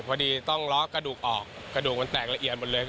พอดีต้องล้อกระดูกออกกระดูกมันแตกละเอียดหมดเลย